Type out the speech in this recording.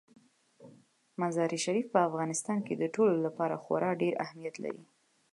مزارشریف په افغانستان کې د ټولو لپاره خورا ډېر اهمیت لري.